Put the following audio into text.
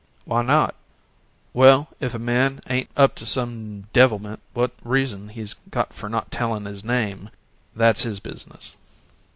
"Why not?" "Well, if a man hain't up to some devilment, what reason's he got fer not tellin' his name?" "That's his business."